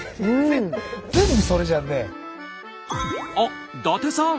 あっ伊達さん！